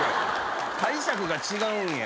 解釈が違うんや。